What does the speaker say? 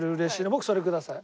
僕それください。